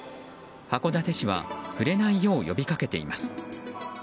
函館市は触れないよう呼びかけています。